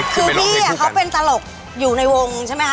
คือพี่เขาเป็นตลกอยู่ในวงใช่ไหมคะ